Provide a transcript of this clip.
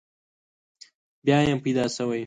بیا یم پیدا شوی.